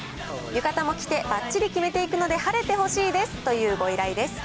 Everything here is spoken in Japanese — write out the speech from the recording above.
浴衣も着てばっちり決めていくので、晴れてほしいですというご依頼です。